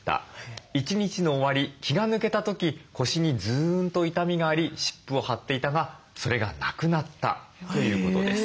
１日の終わり気が抜けた時腰にずんっと痛みがあり湿布を貼っていたがそれがなくなった」ということです。